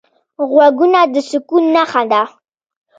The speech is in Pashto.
غوږونه د سکون نښه ده